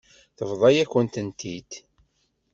Tebḍa-yakent-tent-id.